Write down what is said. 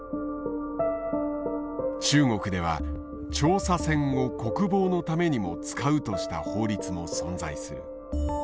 中国では調査船を国防のためにも使うとした法律も存在する。